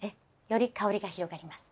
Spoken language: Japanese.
より香りが広がります。